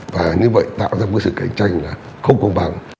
và như vậy tạo ra một sự cạnh tranh là không công bằng